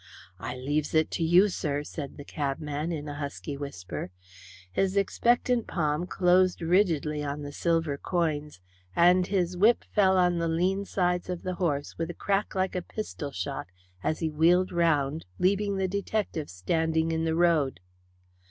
"I leaves it to you, sir," said the cabman, in a husky whisper. His expectant palm closed rigidly on the silver coins, and his whip fell on the lean sides of his horse with a crack like a pistol shot as he wheeled round, leaving the detective standing in the road.